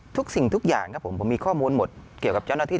สิ่งทุกอย่างครับผมผมมีข้อมูลหมดเกี่ยวกับเจ้าหน้าที่